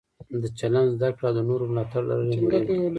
د چلند زده کړه او د نورو ملاتړ لرل یې مهم دي.